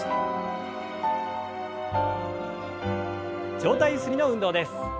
上体ゆすりの運動です。